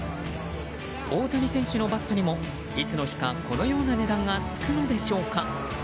大谷選手のバットにもいつの日か、このような値段がつくのでしょうか？